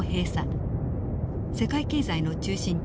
世界経済の中心地